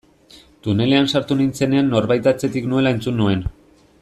Tunelean sartu nintzenean norbait atzetik nuela entzun nuen.